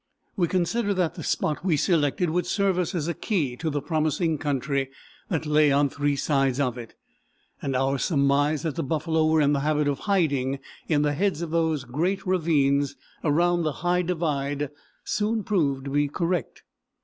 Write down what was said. We considered that the spot we selected would serve us as a key to the promising country that lay on three sides of it, and our surmise that the buffalo were in the habit of hiding in the heads of those great ravines around the High Divide soon proved to be correct.